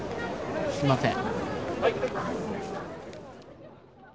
すいません。